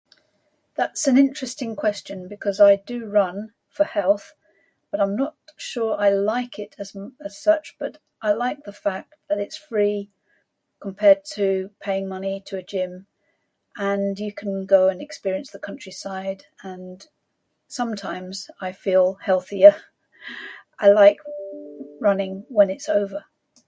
That's an interesting question, because I do run for health, but I'm not sure I like it as mu- as such but, I like the fact that it's free, compared to paying money to a gym and you can go and experience the countryside, and sometimes I feel healthier. I like running when it's over.